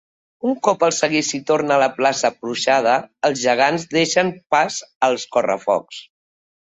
Un cop el seguici torna a la plaça porxada, els gegants deixen pas als Correfocs.